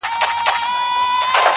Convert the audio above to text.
گراني خبري سوې د وخت ملكې ,